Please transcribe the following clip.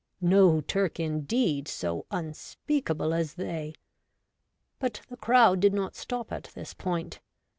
No Turk, indeed, so un speakable as they. But the crowd did not stop at this point.